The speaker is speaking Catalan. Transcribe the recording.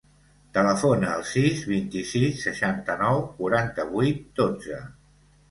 Telefona al sis, vint-i-sis, seixanta-nou, quaranta-vuit, dotze.